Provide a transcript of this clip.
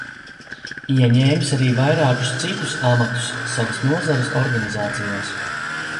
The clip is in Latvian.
Ieņēmis arī vairākus citus amatus savas nozares organizācijās.